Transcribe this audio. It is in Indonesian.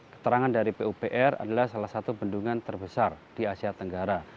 keterangan dari pupr adalah salah satu bendungan terbesar di asia tenggara